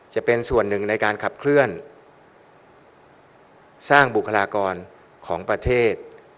จะเป็นส่วนหนึ่งในการขับเคลื่อนสร้างบุคลากรของประเทศ